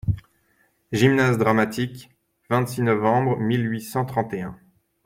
Gymnase-Dramatique. — vingt-six novembre mille huit cent trente et un.